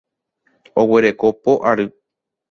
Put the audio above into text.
Oguereko po ary.